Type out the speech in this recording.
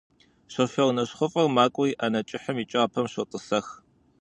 Шофёр нэщхъыфӀэр макӀуэри ӏэнэ кӀыхьым и кӀапэм щотӀысэх.